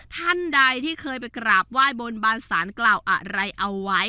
ท่านใดที่เคยไปกราบไหว้บนบานสารกล่าวอะไรเอาไว้